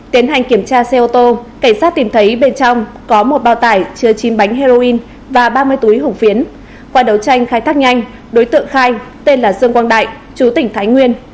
tiến hành kiểm tra xe ô tô cảnh sát tìm thấy bên trong có một bao tải chứa chín bánh heroin và ba mươi túi hồng phiến qua đấu tranh khai thác nhanh đối tượng khai tên là dương quang đại chú tỉnh thái nguyên